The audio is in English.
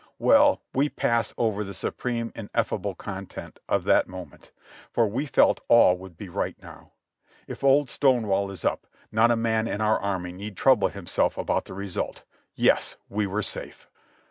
Well, we pass over the supreme, ineffable content of that moment, for we felt all would be right now. If Old Stonewall is up, not a man in our army need trouble himself about the result. Yes, we were safe